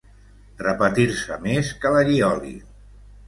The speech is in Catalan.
Repetir-se més que l'allioli.